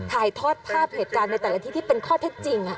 ถ่ายทอดภาพเหตุการณ์ในแต่ละที่ที่เป็นข้อเท็จจริง